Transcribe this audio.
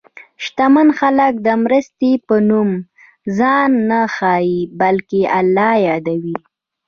شتمن خلک د مرستې په نوم ځان نه ښيي، بلکې الله یادوي.